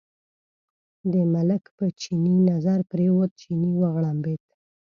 د ملک په چیني نظر پرېوت، چیني وغړمبېد.